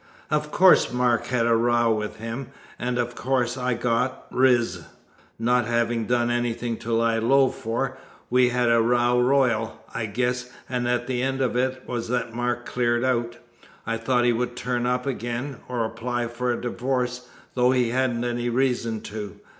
Of course Mark had a row with him, and, of course, I got riz not having done anything to lie low for. We had a row royal, I guess, and the end of it was that Mark cleared out. I thought he would turn up again, or apply for a divorce, though he hadn't any reason to.